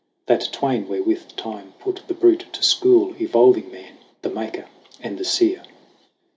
That twain wherewith Time put the brute to school, Evolving Man, the maker and the seer.